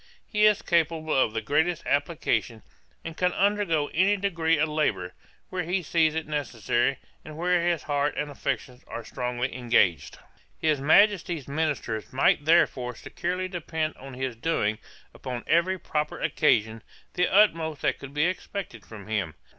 'He is capable of the greatest application, and can undergo any degree of labour, where he sees it necessary, and where his heart and affections are strongly engaged. His Majesty's ministers might therefore securely depend on his doing, upon every proper occasion, the utmost that could be expected from him.